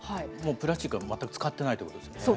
もうプラスチックは全く使ってないということですよね。